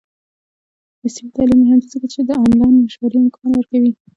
عصري تعلیم مهم دی ځکه چې د آنلاین مشورې امکان ورکوي.